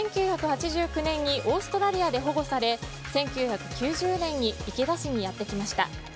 １９８９年にオーストラリアで保護され１９９０年に池田市にやってきました。